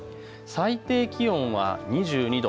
最低気温は２２度。